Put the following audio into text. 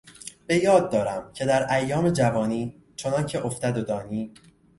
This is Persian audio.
به یاد دارم که در ایام جوانی چنانکه افتد و دانی...